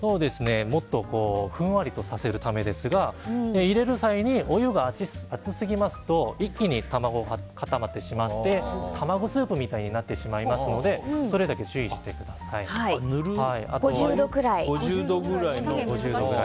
もっとふんわりとさせるためですが入れる際にお湯が熱すぎますと一気に卵が固まってしまって卵スープみたいになってしまいますので５０度くらい。